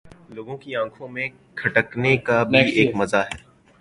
لوگوں کی آنکھوں میں کھٹکنے کا بھی ایک مزہ ہے